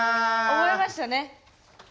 覚えましたね。